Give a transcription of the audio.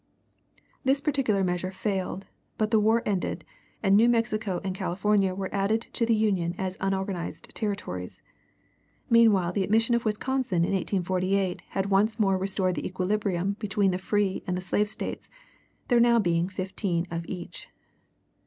This particular measure failed, but the war ended, and New Mexico and California were added to the Union as unorganized Territories. Meanwhile the admission of Wisconsin in 1848 had once more restored the equilibrium between the free and the slave States, there being now fifteen of each.